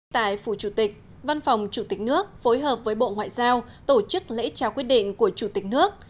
tại phủ chủ tịch văn phòng chủ tịch nước phối hợp với bộ ngoại giao tổ chức lễ trao quyết định của chủ tịch nước